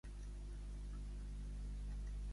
Què ha rebutjat Collboni?